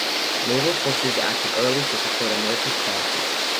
Naval forces acted early to support America's policy.